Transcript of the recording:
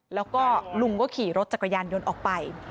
แล้วก็ลุงก็ขี่รถจักรยานยนต์ออกไป